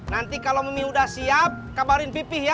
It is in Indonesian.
nanti kalau mie udah siap kabarin pipih ya